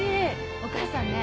お母さんね